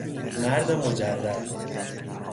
مرد مجرد